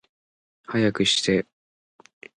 早くして